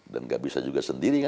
dan nggak bisa juga sendiri kan